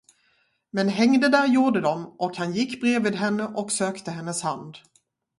Men hängde där gjorde de, och han gick bredvid henne och sökte hennes hand.